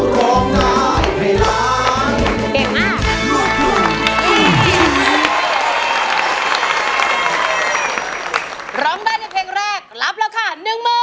ร้องได้ในเพลงแรกลับแล้วค่ะ๑๐๐๐๐บาท